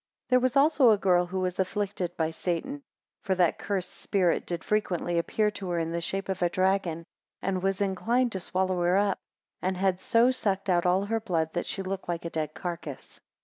THERE was also a girl, who was afflicted by Satan, 2 For that cursed spirit did frequently appear to her in the shape of a dragon, and was inclined to swallow her up, and had so sucked out all her blood, that she looked like a dead carcass.